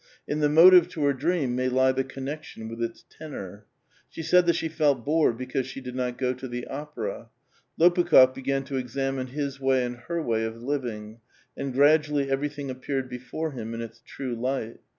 In the motive to her dream may lie the connection with its tenor. She said that she felt bored because she did not go to the opera. Lopukh6f began to examine his way and her way of living, and gradually every thing appeared before him in its true light.